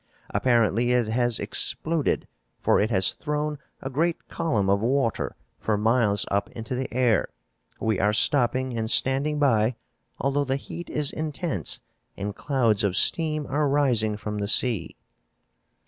Apparently it has exploded, for it has thrown a great column of water for miles up into the air. We are stopping and standing by, although the heat is intense and clouds of steam are rising from the sea."